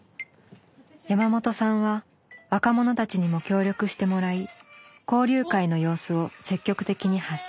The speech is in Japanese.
山本さんは若者たちにも協力してもらい交流会の様子を積極的に発信。